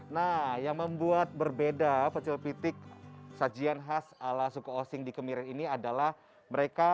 nah yang membuat berbeda pecel pitik sajian khas ala suku osing di kemiren ini adalah mereka